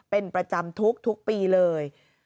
เป็นประจำทุกปีเลย